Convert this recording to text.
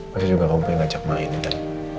pasti juga kamu punya ngajak mainin